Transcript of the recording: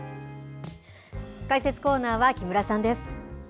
解説コーナーは木村さんです。